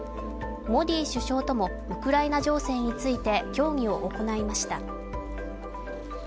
モディ首相ともウクライナ情勢について協議を行いました。